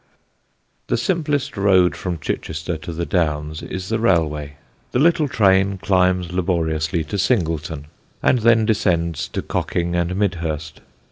The simplest road from Chichester to the Downs is the railway. The little train climbs laboriously to Singleton, and then descends to Cocking and Midhurst.